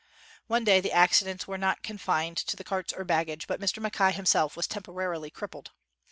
One day, the accidents were not confined to the carts or baggage, but Mr. Mackay himself was temporarily crippled.